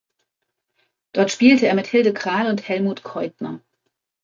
Dort spielte er mit Hilde Krahl und Helmut Käutner.